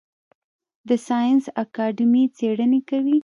د ساینس اکاډمي څیړنې کوي؟